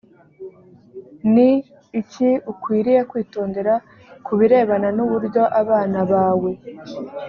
ni iki ukwiriye kwitondera ku birebana n uburyo abana bawe